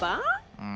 うん。